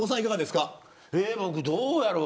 僕、どうやろう。